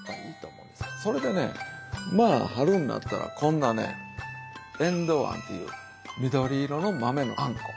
それでねまあ春になったらこんなねえんどうあんという緑色の豆のあんこ。